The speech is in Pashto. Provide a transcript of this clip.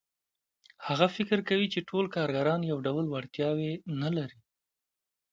هغه فکر کوي چې ټول کارګران یو ډول وړتیاوې نه لري